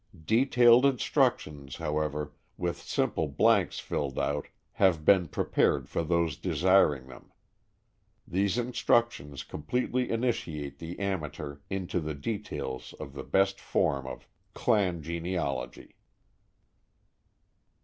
Detailed instructions, however, with sample blanks filled out, have been prepared for those desiring them. These instructions completely initiate the amateur into the details of the best form of "clan" genealogy.